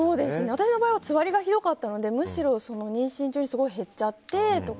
私の場合はつわりがひどかったのでむしろ妊娠中にすごい減っちゃって。